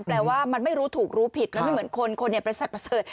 แปลว่ามันไม่รู้ถูกรู้ผิดมันไม่เหมือนคนคนในบริษัทประเสริฐ